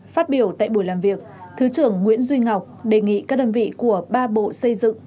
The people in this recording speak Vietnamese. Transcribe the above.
phát biểu tại buổi làm việc thứ trưởng nguyễn duy ngọc đề nghị các đơn vị của ba bộ xây dựng